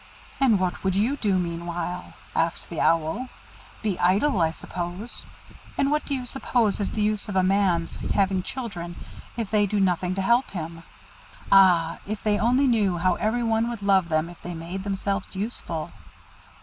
"And what would you do meanwhile?" asked the Owl. "Be idle, I suppose; and what do you suppose is the use of a man's having children if they do nothing to help him? Ah! if they only knew how every one would love them if they made themselves useful!"